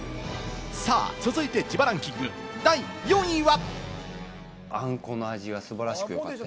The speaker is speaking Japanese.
続いて自腹ンキング第４位は。